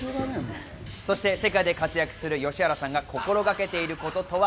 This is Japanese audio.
そして世界で活躍する吉原さんが心がけていることとは。